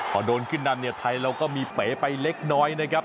พอโดนขึ้นนำเนี่ยไทยเราก็มีเป๋ไปเล็กน้อยนะครับ